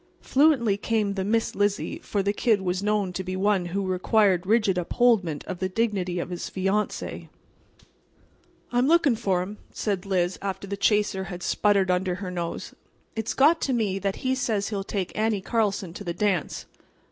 Fluently came the "Miss Lizzie," for the Kid was known to be one who required rigid upholdment of the dignity of his fiancee. "I'm lookin' for 'm," said Liz, after the chaser had sputtered under her nose. "It's got to me that he says he'll take Annie Karlson to the dance.